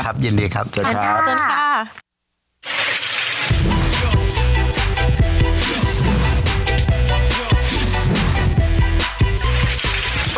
ครับเย็นดีครับเชิญครับ